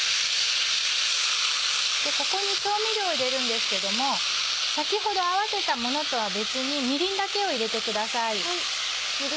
ここに調味料を入れるんですけども先ほど合わせたものとは別にみりんだけを入れてください。